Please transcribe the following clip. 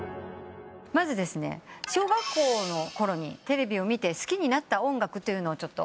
まずですね小学校のころにテレビを見て好きになった音楽を伺いたいんですけど。